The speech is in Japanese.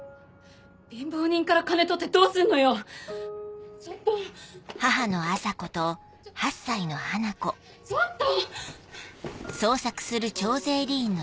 貧乏人から金取ってどうすんちょっとちょちょっと！